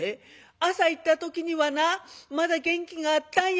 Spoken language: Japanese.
「朝行った時にはなまだ元気があったんや。